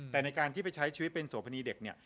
แต่ในการที่ไปใช้ชีวิตเป็นโสพีเด็กเนี่ย